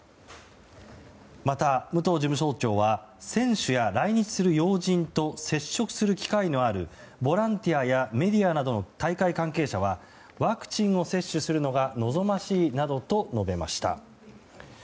また武藤事務総長は選手や来日する要人と接触する機会のあるボランティアやメディアなどの大会関係者はワクチンを接種するのが望ましいなどと述べました。